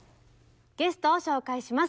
ゲストを紹介します。